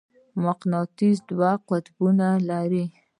مقناطیس دوه قطبونه لري.